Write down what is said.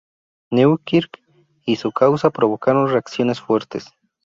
Newkirk y su causa provocaron reacciones fuertes.